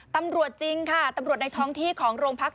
จริงค่ะตำรวจในท้องที่ของโรงพัก